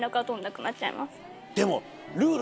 でも。